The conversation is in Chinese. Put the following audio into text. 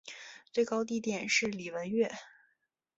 最高地点是礼文岳。